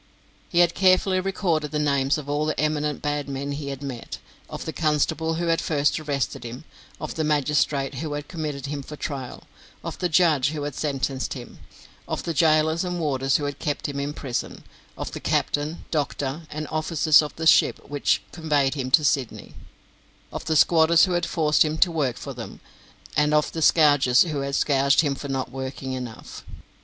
He had carefully recorded the names of all the eminent bad men he had met, of the constable who had first arrested him, of the magistrate who had committed him for trial, of the judge who had sentenced him, of the gaolers and warders who had kept him in prison, of the captain, doctor, and officers of the ship which conveyed him to Sydney, of the squatters who had forced him to work for them, and of the scourgers who had scourged him for not working enough.